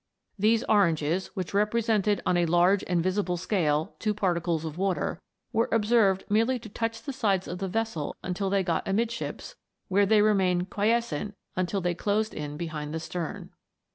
These oranges, which represented on a large and visible scale two particles of water, were observed merely to touch the sides of the vessel until they got amidships, where they remained quiescent until they closed in behind the stern.